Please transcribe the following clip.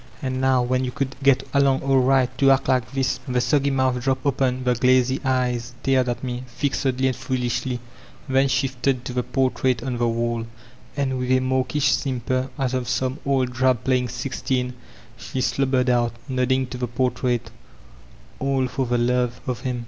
And now, wbea you could get along all right, to act like thisT The soggy mouth dropped open, the glazy eyes stared at me, fixedly and foolishly, then shifted to the portrait on the wall ; and with a mawkish simper, as of some oU drab playing sixteen, she slobbered out, nodding to the portrait: "All — for the love — o' him."